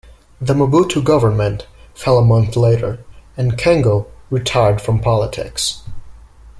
The Mobutu government fell a month later, and Kengo retired from politics.